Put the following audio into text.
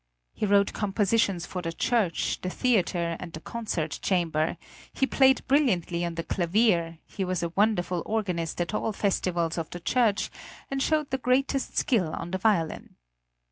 He wrote compositions for the church, the theatre, and the concert chamber; he played brilliantly on the clavier; he was a wonderful organist at all festivals of the church, and showed the greatest skill on the violin.